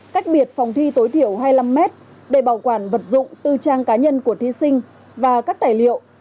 cách biệt phòng thi tối thiểu hai mươi năm m để bảo quản vật dụng tư trang cá nhân của thí sinh và các tài liệu